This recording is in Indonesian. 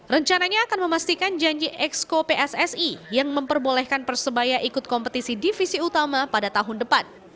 rencananya akan memastikan janji exco pssi yang memperbolehkan persebaya ikut kompetisi divisi utama pada tahun depan